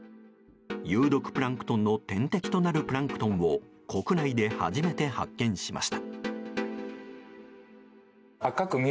有毒プランクトンの天敵となるプランクトンを国内で初めて発見しました。